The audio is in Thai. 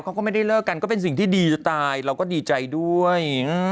เขาก็ไม่ได้เลิกกันก็เป็นสิ่งที่ดีจะตายเราก็ดีใจด้วย